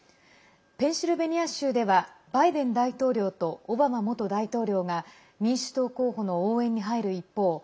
ペンシルベニア州ではバイデン大統領とオバマ元大統領が民主党候補の応援に入る一方